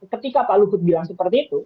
dan ketika pak luhut bilang seperti itu